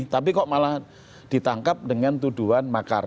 tapi kok malah ditangkap dengan tuduhan makar